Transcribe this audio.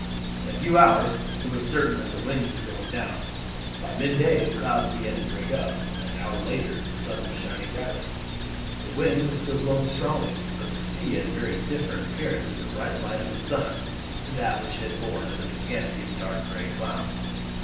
In a few hours it was certain that the wind was going down. By midday the clouds began to break up, and an hour later the sun was shining brightly. The wind was still blowing strongly, but the sea had a very different appearance in the bright light of the sun to that which it had borne under the canopy of dark gray clouds.